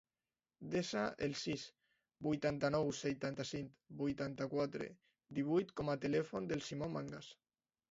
Desa el sis, vuitanta-nou, setanta-cinc, vuitanta-quatre, divuit com a telèfon del Simon Mangas.